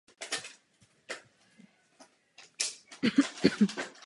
Měl rovněž titul rytíře.